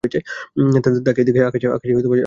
তাকিয়ে দেখি আকাশে চাঁদ উঠেছে বিরাট।